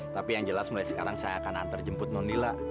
tapi yang jelas mulai sekarang saya akan antar jemput nonila